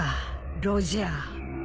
ロジャー